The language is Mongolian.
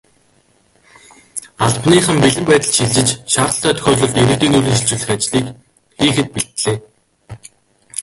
Албаныхан бэлэн байдалд шилжиж, шаардлагатай тохиолдолд иргэдийг нүүлгэн шилжүүлэх ажлыг хийхэд бэлдлээ.